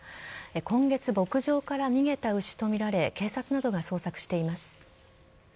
今月、牧場から逃げた牛とみられ警察などが捜索しています。